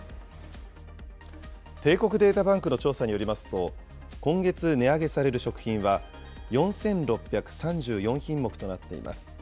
帝国データバンクの調査によりますと、今月値上げされる食品は、４６３４品目となっています。